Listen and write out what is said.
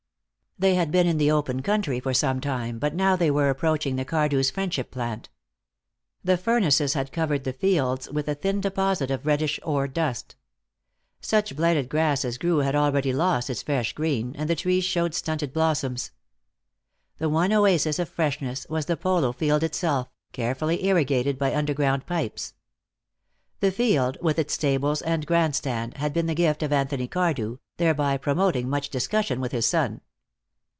They had been in the open country for some time, but now they were approaching the Cardew's Friendship plant. The furnaces had covered the fields with a thin deposit of reddish ore dust. Such blighted grass as grew had already lost its fresh green, and the trees showed stunted blossoms. The one oasis of freshness was the polo field itself, carefully irrigated by underground pipes. The field, with its stables and grandstand, had been the gift of Anthony Cardew, thereby promoting much discussion with his son.